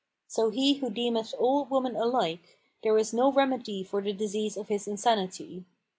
So he who deemeth all women alike,[FN#475] there is no remedy for the disease of his insanity.